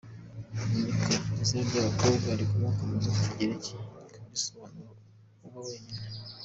Monica ni izina ry’abakobwa rikomoka ku rurimi rw’Ikigereki rikaba risobanura “Uba wenyine”.